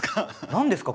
何ですか？